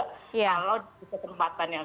kalau ada kesempatan yang